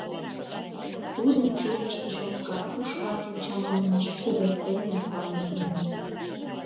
Тудын чоныштыжо Карпуш ватым чаманымаш ойыртемын пале лийын.